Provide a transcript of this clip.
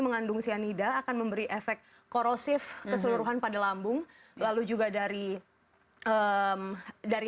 mengandung cyanida akan memberi efek korosif keseluruhan pada lambung lalu juga dari dari